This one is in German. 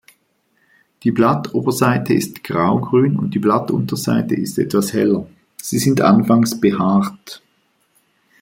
Die Blattoberseite ist graugrün und die Blattunterseite ist etwas heller, sie sind anfangs behaart.